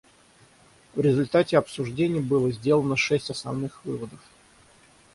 В результате обсуждений было сделано шесть основных выводов.